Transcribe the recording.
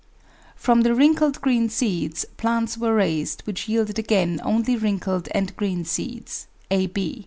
From the wrinkled green seeds plants were raised which yielded again only wrinkled and green seeds, ab.